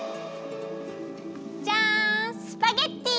じゃんスパゲッティ！